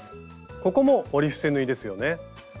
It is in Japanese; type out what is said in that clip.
ここも折り伏せ縫いですよね。